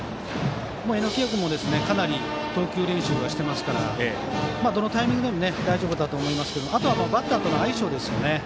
榎谷君もかなり投球練習はしていますからどのタイミングでも大丈夫だと思いますけれどもあとはバッターとの相性ですね。